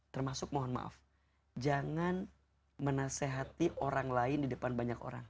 termasuk mohon maaf jangan menasehati orang lain di depan banyak orang